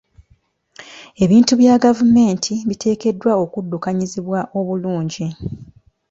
Ebintu bya gavumenti biteekeddwa okuddukanyizibwa obulungi.